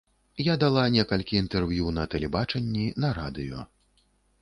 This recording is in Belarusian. Я дала некалькі інтэрв'ю на тэлебачанні, на радыё.